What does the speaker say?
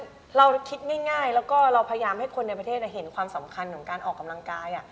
คือเราคิดง่ายแล้วก็เราพยายามให้คนในประเทศเห็นความสำคัญของการออกกำลังกาย